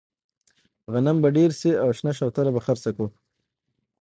غنم به ډېر شي او شنه شفتله به خرڅه کړو.